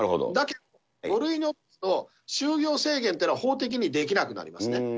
だけど、５類に落とすと、就業制限というのは法的にできなくなりますね。